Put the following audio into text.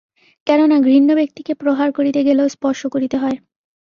কেননা ঘৃণ্য ব্যক্তিকে প্রহার করিতে গেলেও স্পর্শ করিতে হয়।